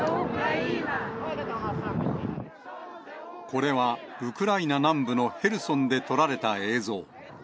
これは、ウクライナ南部のヘルソンで撮られた映像。